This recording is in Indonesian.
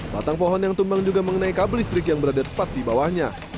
batang pohon yang tumbang juga mengenai kabel listrik yang berada tepat di bawahnya